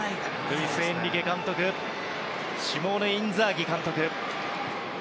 ルイス・エンリケ監督とシモーネ・インザーギ監督。